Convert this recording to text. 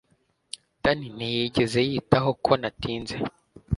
danny ntiyigeze yitaho ko natinze.